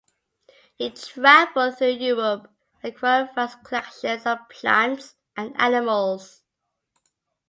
He travelled through Europe acquiring vast collections of plants and animals.